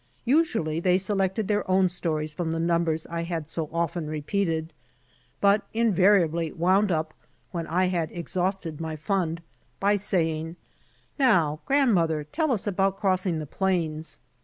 Usually they selected their own stories from the numbers I had so often repeated, but invariably wound up, when I had exhausted my fund, by saying, "Now, grandmother, tell us about crossing the plains."